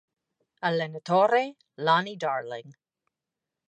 Allenatore: Lonnie Darling